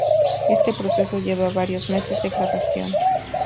Este proceso lleva varios meses de grabación.